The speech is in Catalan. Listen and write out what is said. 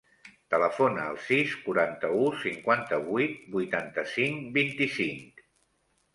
Telefona al sis, quaranta-u, cinquanta-vuit, vuitanta-cinc, vint-i-cinc.